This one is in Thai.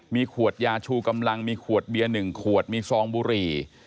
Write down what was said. มีขวดยาชูกำลังมีขวดเบียร์๑ขวดมีซองบุหรี่